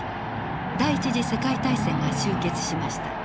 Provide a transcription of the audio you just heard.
第一次世界大戦が終結しました。